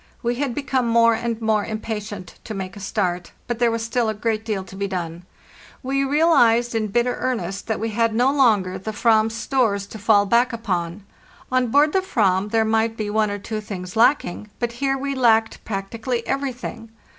We had become more and more impatient to make a start; but there was still a great deal to be done. We realized in bitter earnest that we had no longer the "ram's stores to fall back upon. On board the /ranz there might be one or two things lacking; but here we lacked practically everything.